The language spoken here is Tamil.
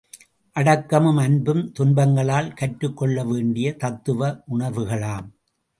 அடக்கமும், அன்பும் துன்பங்களால் கற்றுக் கொள்ள வேண்டிய தத்துவ உணர்வுகளாம்!